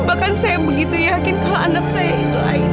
bahkan saya begitu yakin kalau anak saya itu ain